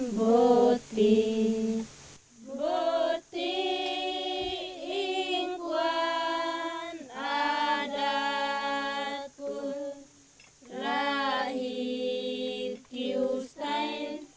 suku boti adalah penjaga tradisi